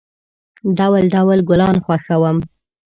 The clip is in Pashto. ډول، ډول گلان خوښوم.